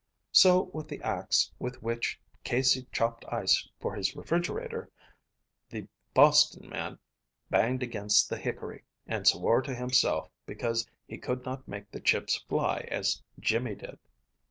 So with the ax with which Casey chopped ice for his refrigerator, the Boston man banged against the hickory, and swore to himself because he could not make the chips fly as Jimmy did.